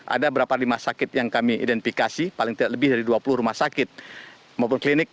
ada berapa rumah sakit yang kami identifikasi paling tidak lebih dari dua puluh rumah sakit maupun klinik